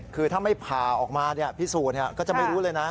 คือถ้าไม่ผ่าออกมาพิสูจน์ก็จะไม่รู้เลยนะ